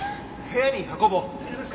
部屋に運ぼう。